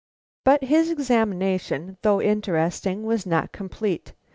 But his examination, though interesting, was not complete.